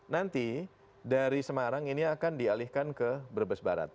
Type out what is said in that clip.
nanti dari semarang ini akan dialihkan ke brebes barat